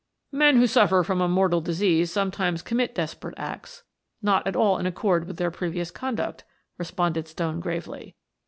"Men who suffer from a mortal disease sometimes commit desperate acts, not at all in accord with their previous conduct," responded Stone gravely.